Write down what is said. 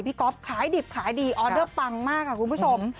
ก๊อฟขายดิบขายดีออเดอร์ปังมากค่ะคุณผู้ชม